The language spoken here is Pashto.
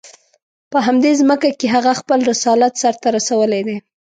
په همدې ځمکه کې هغه خپل رسالت سر ته رسولی دی.